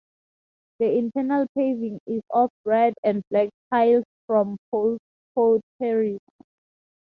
The internal paving is of red and black tiles from Poole potteries.